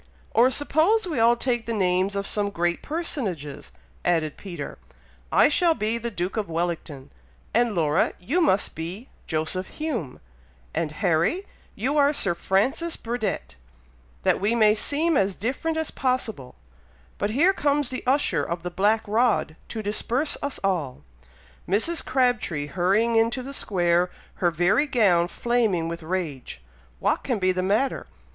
"Or suppose we all take the names of some great personages," added Peter, "I shall be the Duke of Wellington, and Laura, you must be Joseph Hume, and Harry, you are Sir Francis Burdett, that we may seem as different as possible; but here comes the usher of the black rod to disperse us all! Mrs. Crabtree hurrying into the square, her very gown flaming with rage! what can be the matter!